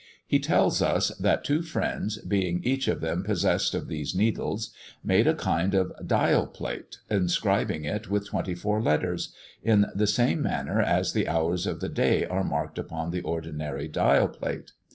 He tells us that two friends, being each of them possessed of these needles, made a kind of dial plate, inscribing it with twenty four letters in the same manner as the hours of the day are marked upon the ordinary dial plate.